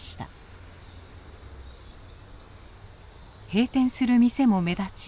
閉店する店も目立ち